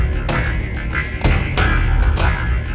bukankah kanda menyayangiku